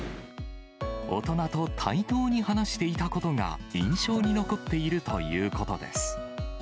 大人と対等に話していたことが印象に残っているということです。